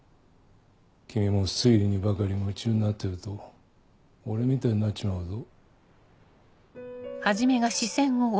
君も推理にばかり夢中になってると俺みたいになっちまうぞ。